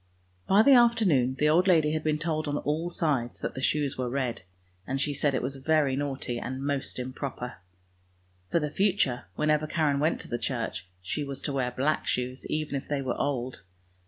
By the afternoon the old lady had been told on all sides that the shoes were red, and she said it was very naughty and most improper. For the future, whenever Karen went to the church, she was to wear black shoes, even if they were old.